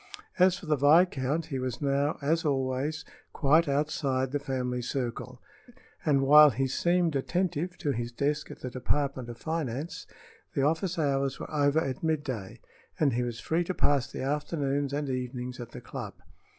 As for the viscount, he was now, as always, quite outside the family circle, and while he seemed attentive to his desk at the Department of Finance, the office hours were over at midday and he was free to pass the afternoons and evenings at the club.